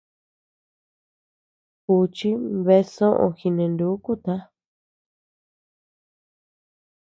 Juchi bea soʼö jinenúkuta.